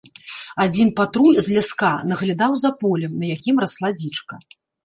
Адзін патруль з ляска наглядаў за полем, на якім расла дзічка.